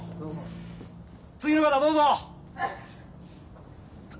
次の方どうぞ。